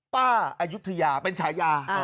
ป้าอายุทธิยาเป็นฉายา